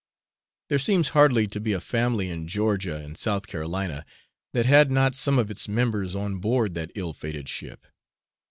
There seems hardly to be a family in Georgia and South Carolina that had not some of its members on board that ill fated ship.